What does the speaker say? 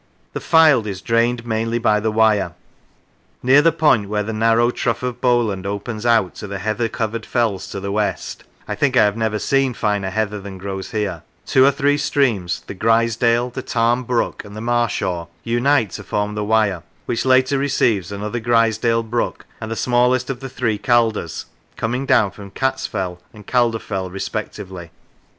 The Fylde is drained mainly by the Wyre. Near the point where the narrow Trough of Bowland opens out to the heather covered fells to the west (I think I have never seen finer heather than grows here) two or three streams, the Grizedale, the Tarn brook, and the Marshaw, unite to form the Wyre, which later receives another Grizedale brook and the smallest of the three Calders, coming down from Catsfell and Calderfell respectively.